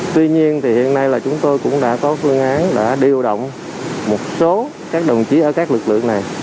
tuy nhiên thì hiện nay là chúng tôi cũng đã có phương án đã điều động một số các đồng chí ở các lực lượng này